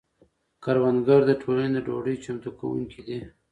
کروندګر د ټولنې د ډوډۍ چمتو کونکي دي.